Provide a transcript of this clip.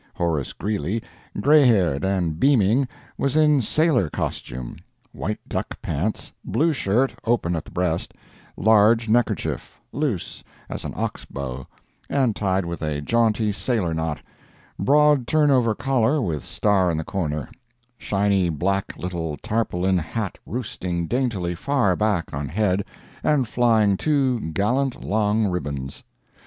Horace Greeley, gray haired and beaming, was in sailor costume—white duck pants, blue shirt, open at the breast, large neckerchief, loose as an ox bow, and tied with a jaunty sailor knot, broad turnover collar with star in the corner, shiny black little tarpaulin hat roosting daintily far back on head and flying two gallant long ribbons.